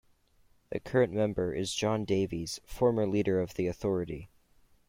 The current member is John Davies, former leader of the authority.